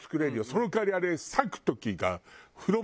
その代わりあれ割く時が。